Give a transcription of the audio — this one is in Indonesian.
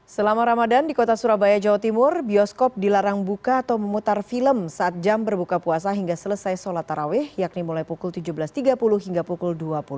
selama ramadan di kota surabaya jawa timur bioskop dilarang buka atau memutar film saat jam berbuka puasa hingga selesai sholat tarawih yakni mulai pukul tujuh belas tiga puluh hingga pukul dua puluh